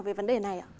về vấn đề này ạ